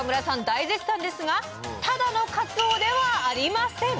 大絶賛ですがただのかつおではありません。